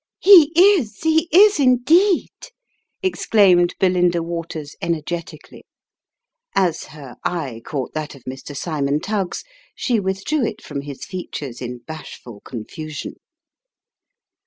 " He is he is indeed !" exclaimed Belinda Waters energetically. As her eye caught that of Mr. Cymon Tuggs, she withdrew it from his features in bashful confusion.